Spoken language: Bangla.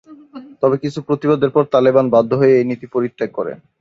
তবে কিছু প্রতিবাদের পর তালেবান বাধ্য হয়ে এই নীতি পরিত্যাগ করে।